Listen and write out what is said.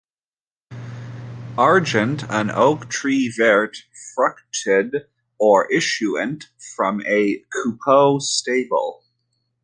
Argent, an Oak Tree Vert fructed Or issuant from a Coupeaux Sable.